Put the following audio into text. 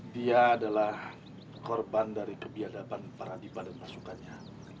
dia adalah korban dari kebiadaban para dibandang masukannya